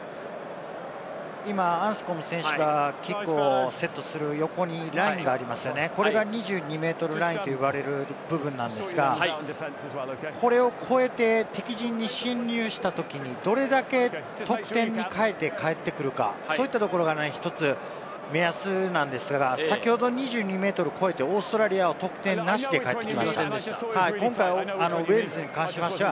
今、アンスコム選手がキックをセットする横に、ラインがありますよね、これが２２ｍラインと言われる部分なんですが、これを越えて、敵陣に侵入したときに、どれだけ得点にかえてかえってくるか、そういったところが１つ目安なんですが、先ほど２２ｍを越えてオーストラリアは得点なしでかえってきました。